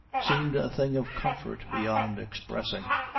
seemed a thing of comfort beyond expressing.